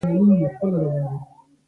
له بهرنیو هېوادونو سره اړیکو پراختیا.